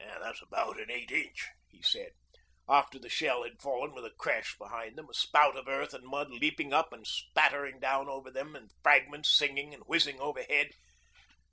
'That's about an eight inch,' he said, after the shell had fallen with a crash behind them, a spout of earth and mud leaping up and spattering down over them and fragments singing and whizzing overhead.